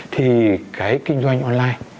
thì cái kinh doanh online